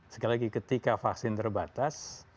sekali lagi ketika vaksin terbatas